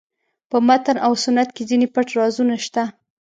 په متن او سنت کې ځینې پټ رازونه شته.